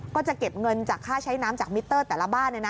ก็จะเก็บเงินจากค่าใช้น้ำจากมิเตอร์แต่ละบ้าน